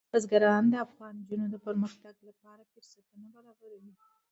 بزګان د افغان نجونو د پرمختګ لپاره فرصتونه برابروي.